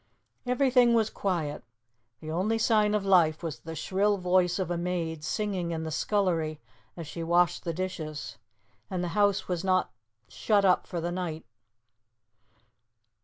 Everything was quiet. The only sign of life was the shrill voice of a maid singing in the scullery as she washed the dishes, and the house was not shut up for the night.